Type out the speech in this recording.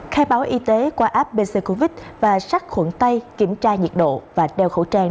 khai báo y tế qua app bến xe covid và sát khuẩn tay kiểm tra nhiệt độ và đeo khẩu trang